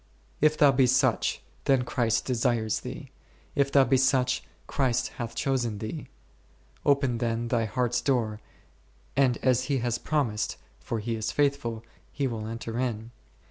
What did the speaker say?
If thou be such, then Christ desires thee ; if thou be such, Christ hath chosen thee. Open then thy heart's door, and as He has promised (for He is faith ful) He will enter in.